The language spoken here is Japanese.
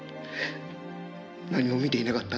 「何も見ていなかった。